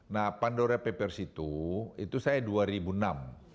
nah pandora papers itu itu saya dua ribu enam